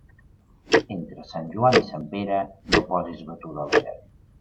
Entre Sant Joan i Sant Pere, no posis batuda a l'era.